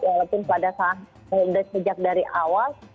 walaupun pada saat sejak dari awal